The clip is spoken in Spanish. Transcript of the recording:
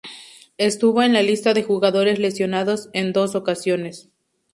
Estuvo en la lista de jugadores lesionados en dos ocasiones.